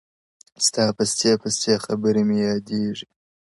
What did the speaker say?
ستا پستې پستې خبري مي یا دېږي-